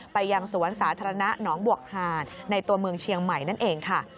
ไปยังสวนสาธารณะหนองบวกหาดในตัวเมืองเชียงใหม่นั่นเองค่ะ